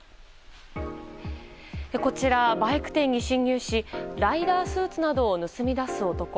こちら、バイク店に侵入しライダースーツなどを盗み出す男。